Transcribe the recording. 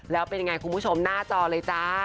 แล้วเป็นยังไงคุณผู้ชมหน้าจอเลยจ้า